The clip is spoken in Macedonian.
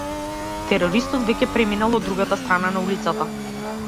Терористот веќе преминал од другата страна на улицата.